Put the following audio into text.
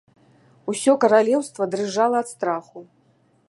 Усё каралеўства дрыжала ад страху.